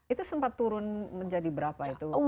itu sempat turun menjadi berapa itu